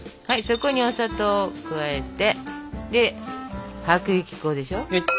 そこにお砂糖を加えてで薄力粉でしょ。